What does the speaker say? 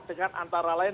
dengan antara lain